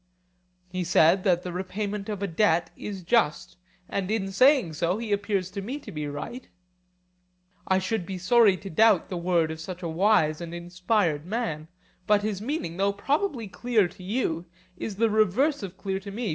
He said that the repayment of a debt is just, and in saying so he appears to me to be right. I should be sorry to doubt the word of such a wise and inspired man, but his meaning, though probably clear to you, is the reverse of clear to me.